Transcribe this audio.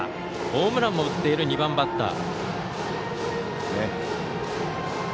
ホームランも打っている２番バッター。